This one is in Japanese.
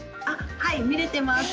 はい見れてます。